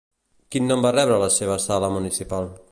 Quin nom va rebre la seva sala municipal?